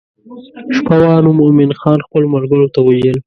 شپه وه نو مومن خان خپلو ملګرو ته وویل.